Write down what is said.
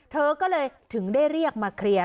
เธอก็เลยถึงได้เรียกมาเคลียร์